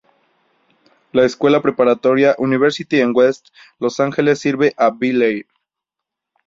La Escuela Preparatoria University en West Los Angeles sirve a Bel-Air.